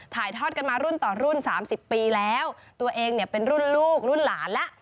ถ่ายทอดกันมารุ่นต่อรุ่นสามสิบปีแล้วตัวเองเนี่ยเป็นรุ่นลูกรุ่นหลานแล้ว